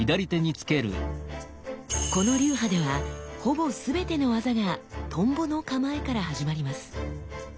この流派ではほぼ全ての技が「蜻蛉の構え」から始まります。